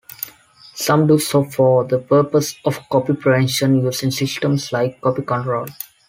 Some do so for the purpose of copy prevention, using systems like Copy Control.